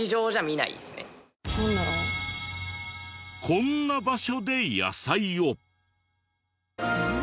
こんな場所で野菜を。